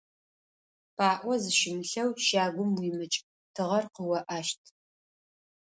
ПаӀо зыщымылъэу щагум уимыкӀ, тыгъэр къыоӀащт.